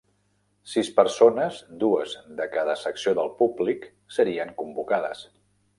Sis persones, dues de cada secció del públic, serien convocades.